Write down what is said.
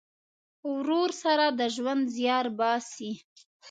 ورور سره د ژوند زیار باسې.